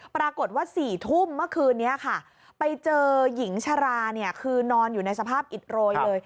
ปรากฏว่า๔ทุ่มเมื่อคืนนี้ค่ะไปเจอหญิงชราเนี่ยคือนอนอยู่ในสภาพอิดโรยเลย